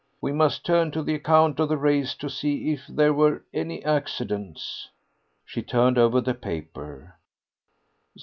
We must turn to the account of the race to see if there were any accidents." She turned over the paper.